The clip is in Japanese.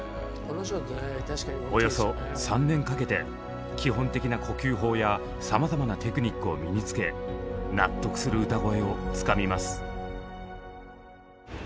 およそ３年かけて基本的な呼吸法やさまざまなテクニックを身につけ納得する歌声をつかみます。